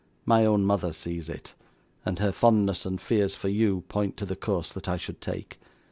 My own mother sees it, and her fondness and fears for you, point to the course that I should take.